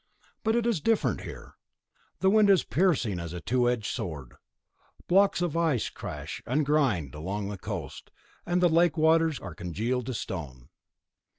But it is different here. The wind is piercing as a two edged sword; blocks of ice crash and grind along the coast, and the lake waters are congealed to stone.